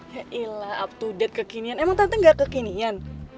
yaelah up to date kekinian emang tante gak kekinian